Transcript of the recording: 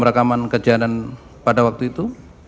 rekaman kejadian pada waktu itu